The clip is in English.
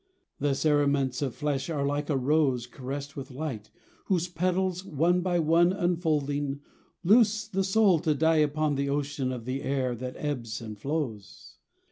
The cerements of flesh are like a rose Caressed with light, whose petals, one by one Unfolding, loose the soul to die upon The ocean of the air that ebbs and flows.